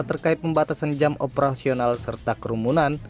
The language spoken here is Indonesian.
terkait pembatasan jam operasional serta kerumunan